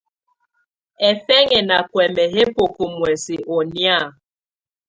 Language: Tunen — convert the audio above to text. Hɛfɛnyɛ́ ná kuɛ́mɛ́ yɛ́ bókó muɛ̀sɛ́ ɔ́ nɛ̀á.